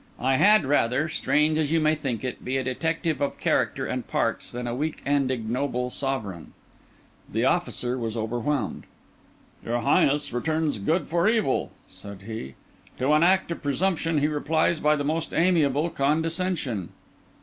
I had rather, strange as you may think it, be a detective of character and parts than a weak and ignoble sovereign." The officer was overwhelmed. "Your Highness returns good for evil," said he. "To an act of presumption he replies by the most amiable condescension."